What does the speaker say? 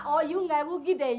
oh yuk nggak rugi deh